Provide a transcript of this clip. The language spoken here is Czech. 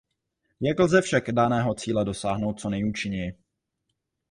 Jak lze však daného cíle dosáhnout co nejúčinněji?